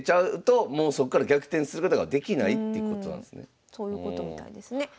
だからそういうことみたいですね。